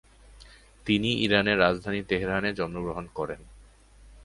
তিনি ইরানের রাজধানী তেহরানে জন্মগ্রহণ করেন।